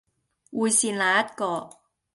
會是哪一個